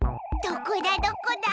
どこだどこだ？